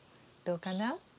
どうかな？